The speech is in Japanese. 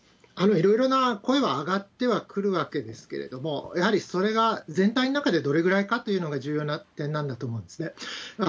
いろいろな声は上がってはくるわけですけれども、やはりそれが全体の中でどれぐらいかというのが重要な点なんだと思いますね。